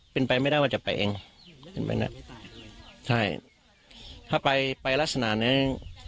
เป็นไปไม่ได้ว่าจะไปเองใช่ถ้าไปไปลักษณะนี้